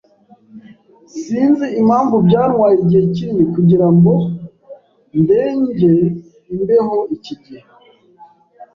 Sinzi impamvu byantwaye igihe kinini kugirango ndenge imbeho iki gihe.